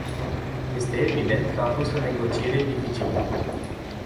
Este evident că a fost o negociere dificilă.